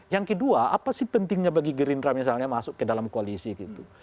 yang kedua apa sih pentingnya bagi gerindra misalnya masuk ke dalam koalisi gitu